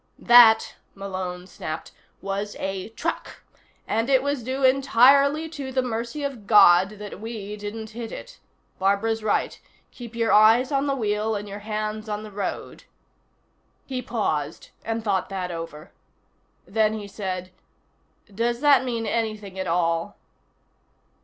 "That," Malone snapped, "was a truck. And it was due entirely to the mercy of God that we didn't hit it. Barbara's right. Keep your eyes on the wheel and your hands on the road." He paused and thought that over. Then he said: "Does that mean anything at all?"